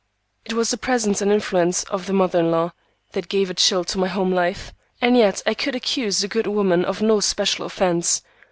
It was the presence and influence of the mother in law that gave a chill to my home life, and yet I could accuse the good woman of no special offence.